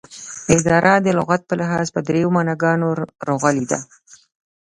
اداره دلغت په لحاظ په دریو معناګانو راغلې ده